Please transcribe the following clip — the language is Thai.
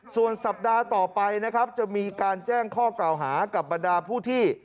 ส่วนสัปดาห์ต่อไปนะครับจะมีการแจ้งข้อกล่าวหากับบรรดาผู้ที่